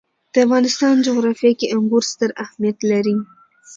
د افغانستان جغرافیه کې انګور ستر اهمیت لري.